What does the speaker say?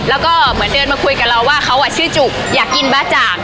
แล้วก็เหมือนเดินมาคุยกับเราว่าเขาชื่อจุกอยากกินบ้าจ่าง